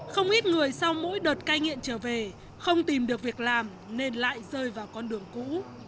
không ít người sau mỗi đợt cai nghiện trở về không tìm được việc làm nên lại rơi vào con đường cũ